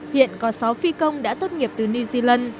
hiện có sáu phi công đã tốt nghiệp từ new zealand